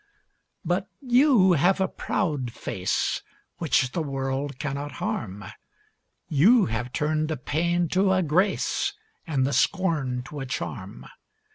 But you have a proud face Which the world cannot harm, You have turned the pain to a grace And the scorn to a charm.